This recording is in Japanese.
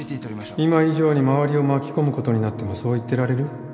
今以上に周りを巻き込むことになってもそう言ってられる？